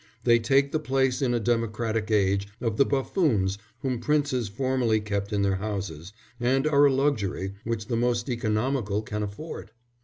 They take the place in a democratic age of the buffoons whom princes formerly kept in their houses, and are a luxury which the most economical can afford.